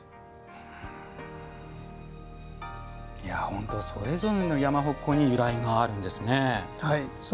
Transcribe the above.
本当にそれぞれの山鉾に由来があるんですね。